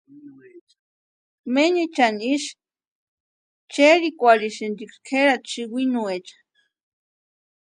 Menichani ísï cherhikwaesinti kʼerati sïwinuecha.